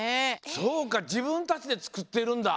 そうか自分たちでつくってるんだ。